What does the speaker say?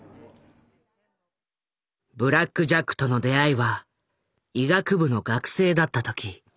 「ブラック・ジャック」との出会いは医学部の学生だった時。